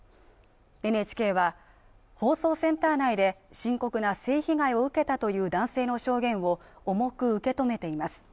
ＮＨＫは放送センター内で深刻な性被害を受けたという男性の証言を重く受け止めています